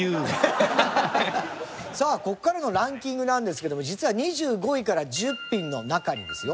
さあここからのランキングなんですけども実は２５位から１０品の中にですよ